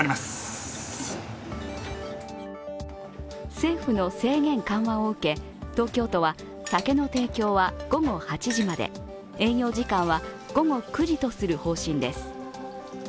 政府の制限緩和を受け、東京都は酒の提供は午後８時まで、営業時間は午後９時とする方針です。